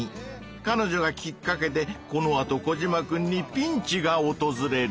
かのじょがきっかけでこのあとコジマくんにピンチがおとずれる。